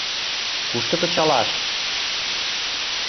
Кушто кычалаш?